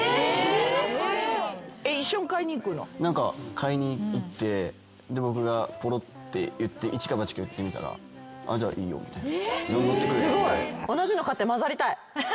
買いに行って僕がポロッてイチかバチか言ってみたら「じゃあいいよ」みたいな。